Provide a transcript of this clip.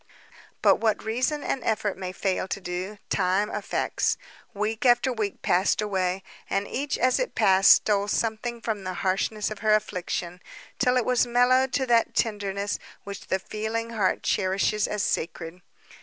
But what reason and effort may fail to do, time effects. Week after week passed away, and each, as it passed, stole something from the harshness of her affliction, till it was mellowed to that tenderness which the feeling heart cherishes as sacred.